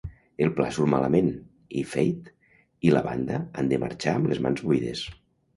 El pla surt malament, i Fait i la banda han de marxar amb les mans buides.